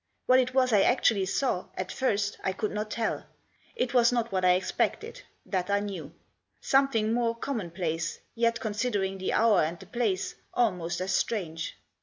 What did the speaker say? What it was I actually saw, at first, I could not tell. It was not what I expected ; that I knew. Something more commonplace ; yet, considering the hour and the place, almost as strange.